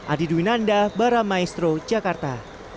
adi duwinanda baramaestro jakarta